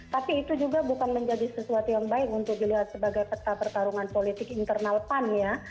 tapi itu juga bukan menjadi sesuatu yang baik untuk dilihat sebagai peta pertarungan politik internal pan ya